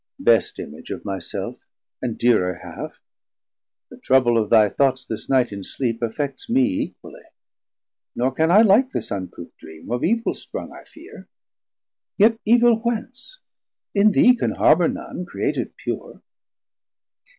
Best Image of my self and dearer half, The trouble of thy thoughts this night in sleep Affects me equally; nor can I like This uncouth dream, of evil sprung I fear; Yet evil whence? in thee can harbour none, Created pure.